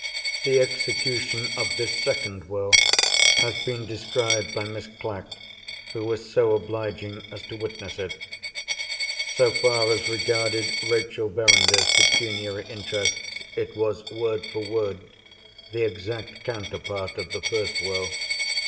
The execution of this second Will has been described by Miss Clack, who was so obliging as to witness it. So far as regarded Rachel Verinder's pecuniary interests, it was, word for word, the exact counterpart of the first Will.